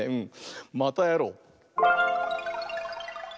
またやろう！